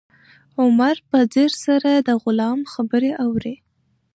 عمر په ځیر سره د غلام خبرې اوري.